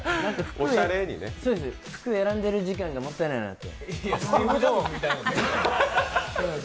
服選んでいる時間がもったいないなって。